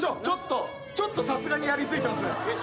ちょっとちょっとさすがにやり過ぎてますね。